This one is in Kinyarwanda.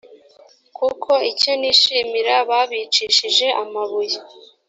kuko icyo nishimira babicishe amabuye.